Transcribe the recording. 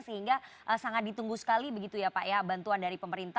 sehingga sangat ditunggu sekali begitu ya pak ya bantuan dari pemerintah